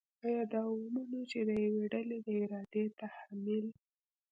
آیا دا ومنو چې د یوې ډلې د ارادې تحمیل